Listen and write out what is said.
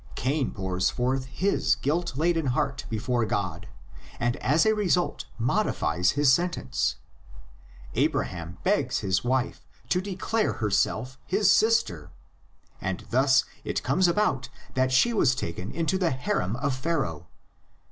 Cain pours forth his guilt laden heart before God, and as a result modifies his sentence. Abra ham begs his wife to declare herself his sister; and thus it comes about that she was taken into the harem of Pharaoh (xii.